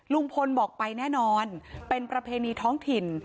ลุงพลบอกไปแน่นอนเป็นประเพณีท้องถิ่น